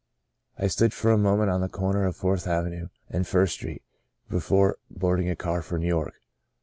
" I stood for a moment on the corner of Fourth Avenue and First Street, before boarding a car for New York.